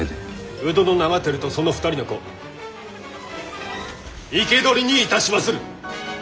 鵜殿長照とその２人の子生け捕りにいたしまする！